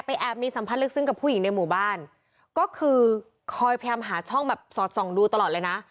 แอบมีสัมพันธ์ลึกซึ้งกับผู้หญิงในหมู่บ้านก็คือคอยพยายามหาช่องแบบสอดส่องดูตลอดเลยนะ